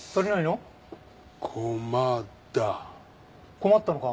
困ったのか。